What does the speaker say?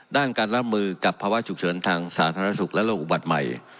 ด้านการรับมือกับภาวะฉุกเฉินทางสาธารณสุขและโรคอุบัติใหม่